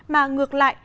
mà ngược lại